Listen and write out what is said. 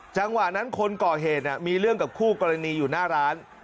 จังหวะนั้นคนก่อเหตุมีเรื่องกับคู่กรณีอยู่หน้าร้าน